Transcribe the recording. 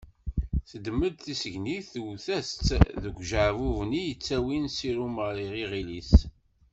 Teddem-d tisegnit tewwet-as-tt deg ujeɛbub-nni i yettawin ssirum ɣer yiɣil-is.